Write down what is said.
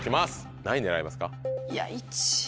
何位狙いますか？